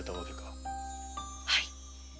はい。